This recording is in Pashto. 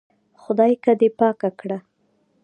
خدايکه دې پاکه کړه.